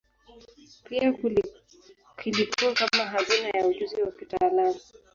Pia kilikuwa kama hazina ya ujuzi wa kitaalamu.